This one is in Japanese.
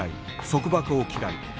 束縛を嫌い